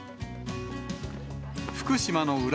福島の裏